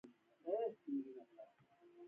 وژنه د درد یو لامل دی